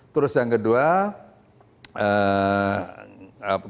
terus yang kedua